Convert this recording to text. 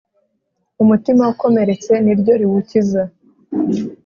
Umutima ukomeretse niryo riwukiza